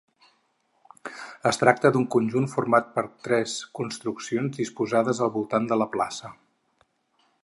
Es tracta d'un conjunt format per tres construccions disposades al voltant de la plaça.